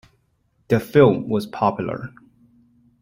The film was popular.